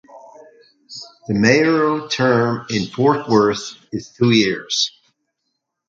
The mayoral term in Fort Worth is two years.